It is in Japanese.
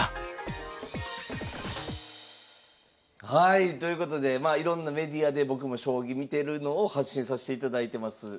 はいということでいろんなメディアで僕も将棋見てるのを発信さしていただいてます。